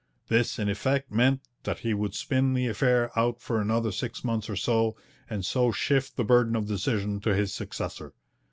This in effect meant that he would spin the affair out for another six months or so, and so shift the burden of decision to his successor.